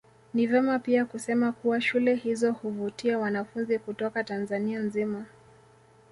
Ni vema pia kusema kuwa shule hizo huvutia wanafunzi kutoka Tanzania nzima